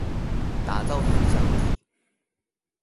打造影響力